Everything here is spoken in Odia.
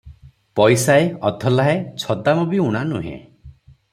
ପଇସାଏ, ଅଧଲାଏ, ଛଦାମ ବି ଊଣା ନୁହେଁ ।